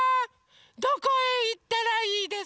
どこへいったらいいですか？